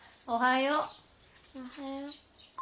おはよ。